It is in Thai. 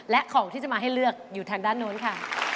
และของที่จะมาให้เลือกอยู่ทางด้านโน้นค่ะ